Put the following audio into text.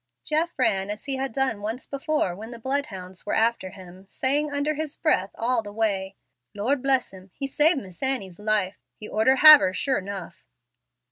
Jeff ran as he had done once before when the bloodhounds were after him, saying under his breath all the way, "Lor' bless him! He save Miss Annie's life; he orter have her sure 'nuff."